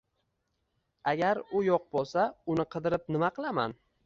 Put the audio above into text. Agar u yo`q bo`lsa, uni qidirib nima qilaman